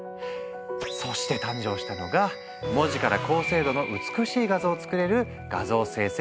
そして誕生したのが文字から高精度の美しい画像を作れる画像生成